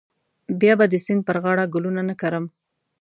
بیا به د سیند پر غاړه ګلونه نه کرم.